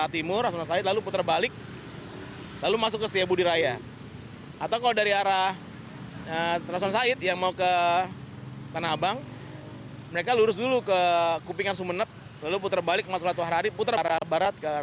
tapi jangan lupa